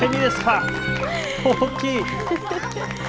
大きい！